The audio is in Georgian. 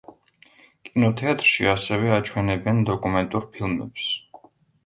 კინოთეატრში ასევე აჩვენებენ დოკუმენტურ ფილმებს.